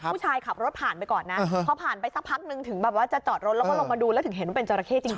ผู้ชายขับรถผ่านไปก่อนนะพอผ่านไปสักพักนึงถึงแบบว่าจะจอดรถแล้วก็ลงมาดูแล้วถึงเห็นว่าเป็นจราเข้จริง